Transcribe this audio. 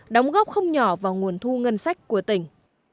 đóng góp không nhỏ vào nguồn thu ngân sách của tỉnh